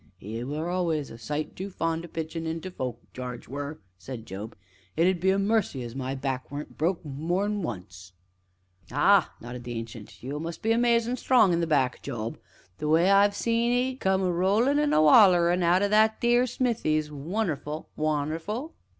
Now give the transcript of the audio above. "'E were allus a sight too fond o' pitchin' into folk, Jarge were!" said Job; "it be a mercy as my back weren't broke more nor once." "Ah!" nodded the Ancient, "you must be amazin' strong in the back, Job! The way I've seed 'ee come a rollin' an' awallerin' out o' that theer smithy's wonnerful, wonnerful.